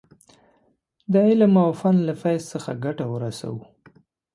د علم او فن له فیض څخه ګټه ورسوو.